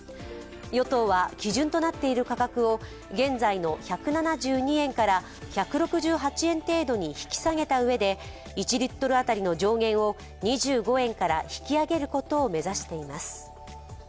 与党は基準となっている価格を現在の１７２円から、１６８円程度に引き下げたうえで１リットル当たりの上限を２５円から引き上げることを目指しています。